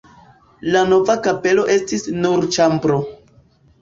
La nova kapelo estis nur ĉambro.